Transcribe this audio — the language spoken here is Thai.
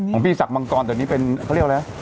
มึงมีสักบางคอนแต่นี้เป็นเขาเรียกว่าอะไร